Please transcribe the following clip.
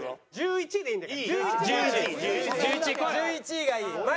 １１位がいい？